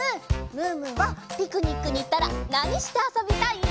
ムームーはピクニックにいったらなにしてあそびたい？